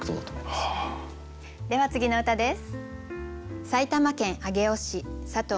では次の歌です。